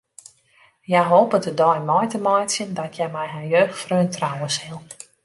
Hja hopet de dei mei te meitsjen dat hja mei har jeugdfreon trouwe sil.